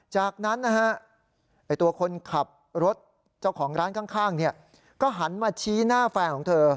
จากนั้นนะฮะตัวคนขับรถเจ้าของร้านข้างก็หันมาชี้หน้าแฟนของเธอ